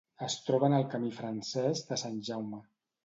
Es troba en el Camí francès de Sant Jaume.